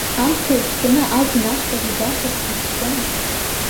Амца еиқәҵаны ажәҩан ашҟагьы башақә иԥшрымызт…